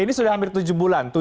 ini sudah hampir tujuh bulan